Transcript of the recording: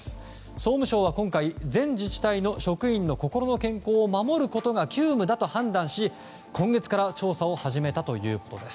総務省は今回全自治体の職員の心の健康を守ることが急務だと判断し今月から調査を始めたということです。